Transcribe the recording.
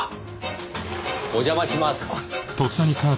お邪魔します。